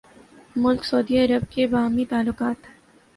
ملک Saudi Arab کے باہمی تعلقات